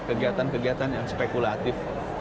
kegiatan kegiatan yang spekulatif